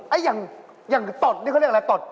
ไอ้อย่างอย่างตดนี่เขาเรียกอะไรตด